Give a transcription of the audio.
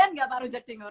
doian nggak pak rejak timur